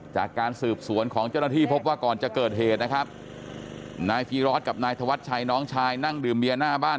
จากการสืบสวนของเจ้าหน้าที่พบว่าก่อนจะเกิดเหตุนะครับนายพีรอดกับนายธวัชชัยน้องชายนั่งดื่มเบียร์หน้าบ้าน